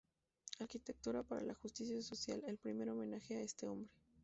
Arquitectura para la justicia social", el primer homenaje a este hombre.